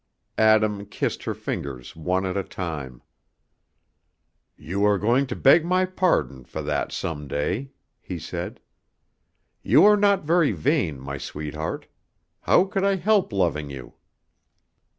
Adam kissed her fingers one at a time. "You are going to beg my pardon for that some day," he said. "You are not very vain, my sweetheart; how could I help loving you?"